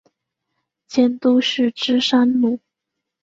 监督是芝山努。